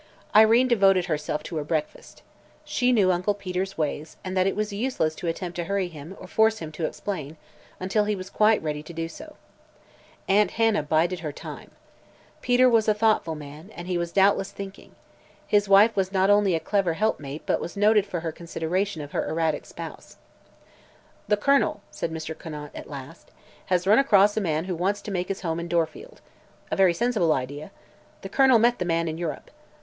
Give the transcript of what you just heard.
Irene devoted herself to her breakfast. She knew Uncle Peter's ways and that it was useless to attempt to hurry him or force him to explain, until he was quite ready to do so. Aunt Hannah bided her time. Peter was a thoughtful man, and he was doubtless thinking. His wife was not only a clever helpmate but was noted for her consideration of her erratic spouse. "The Colonel," said Mr. Conant at last, "has run across a man who wants to make his home in Dorfield. A very sensible idea. The Colonel met the man in Europe.